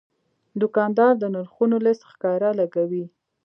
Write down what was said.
دوکاندار د نرخونو لیست ښکاره لګوي.